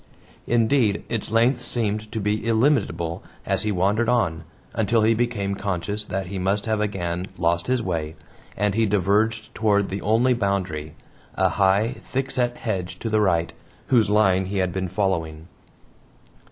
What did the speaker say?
Indeed, its length seemed to be illimitable as he wandered on, until he became conscious that he must have again lost his way, and he diverged toward the only boundary, a high, thickset hedge to the right, whose line he had been following.